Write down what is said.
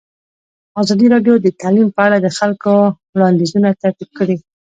ازادي راډیو د تعلیم په اړه د خلکو وړاندیزونه ترتیب کړي.